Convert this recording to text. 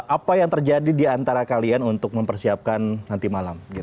apa yang terjadi di antara kalian untuk mempersiapkan nanti malam